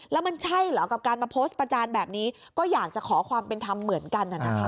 แล้วมันใช่เหรอกับการมาโพสต์ประจานแบบนี้ก็อยากจะขอความเป็นธรรมเหมือนกัน